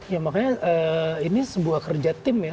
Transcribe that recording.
ya makanya ini sebuah kerja tim ya